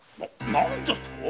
何じゃと！？